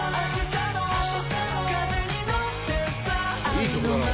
「いい曲だな」